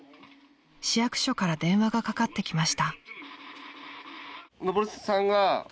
［市役所から電話がかかってきました］